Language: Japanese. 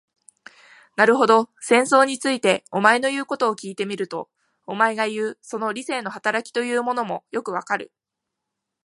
なるほど、戦争について、お前の言うことを聞いてみると、お前がいう、その理性の働きというものもよくわかる。